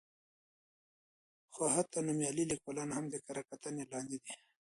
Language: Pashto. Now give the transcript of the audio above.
خو حتی نومیالي لیکوالان هم د کره کتنې لاندې دي.